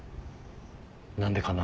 何でかな。